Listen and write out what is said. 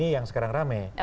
yang sekarang rame